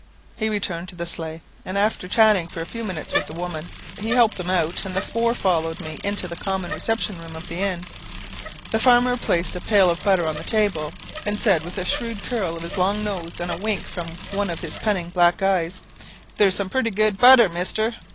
He returned to the sleigh, and after chatting for a few minutes with the women, he helped them out, and the four followed me into the common reception room of the inn. The farmer placed a pail of butter on the table, and said with a shrewd curl of his long nose, and a wink from one of his cunning black eyes, "There's some pretty good butter, mister."